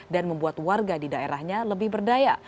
dan membuat warga di daerahnya lebih berdaya